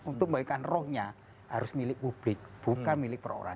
untuk kembalikan rohnya harus milik publik bukan milik orang orang